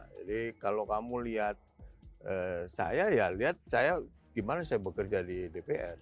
jadi kalau kamu lihat saya ya lihat saya gimana saya bekerja di dpr